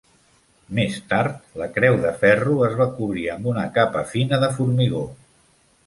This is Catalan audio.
Més tard, la creu de ferro es va cobrir amb una capa fina de formigó.